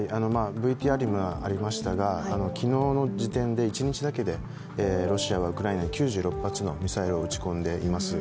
ＶＴＲにもありましたが、昨日の時点で一日だけでロシアはウクライナに９６発のミサイルを撃ち込んでいます。